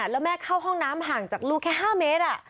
แล้วแม่เข้าห้องน้ำห่างจากลูกแค่๕เมตร